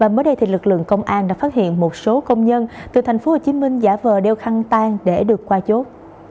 mới đây lực lượng công an đã phát hiện một số công nhân từ tp hcm giả vờ đeo khăn tan để được qua chốt